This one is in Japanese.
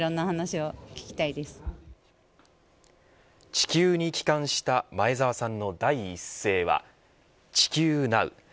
地球に帰還した前澤さんの第一声は地球なう。